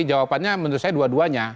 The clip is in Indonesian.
jawabannya menurut saya dua duanya